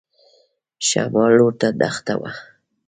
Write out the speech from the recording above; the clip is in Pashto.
شمال لور ته دښته وه.